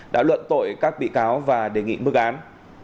đã luận tội các bị cáo và đề nghị mức án